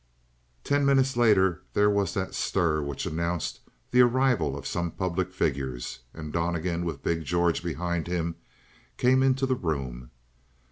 Ten minutes later there was that stir which announced the arrival of some public figures; and Donnegan with big George behind him came into the room.